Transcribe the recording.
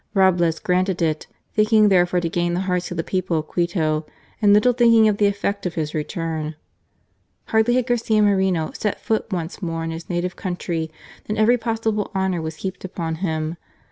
Roblez granted it, thinking thereby to F 66 GARCIA MORENO. gain the hearts of the people of Quito, and little thinking of the effect of his return. Hardly had Garcia Moreno set foot once more in his native country than every possible honour was heaped upon him.